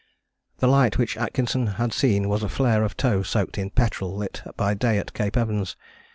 The light which Atkinson had seen was a flare of tow soaked in petrol lit by Day at Cape Evans.